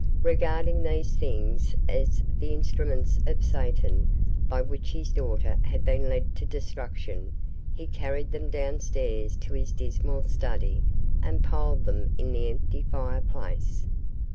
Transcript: Regarding these things as the instruments of Satan, by which his daughter had been led to destruction, he carried them downstairs to his dismal study and piled them in the empty fireplace.